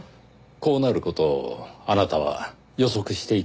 こうなる事をあなたは予測していたんですね。